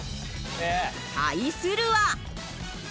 対するは。